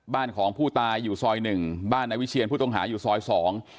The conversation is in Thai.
บ้านของผู้ตายอยู่ซอยหนึ่งบ้านนายวิเชียนผู้ต้องหาอยู่ซอยสอง